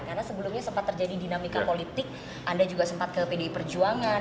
karena sebelumnya sempat terjadi dinamika politik anda juga sempat ke pdi perjuangan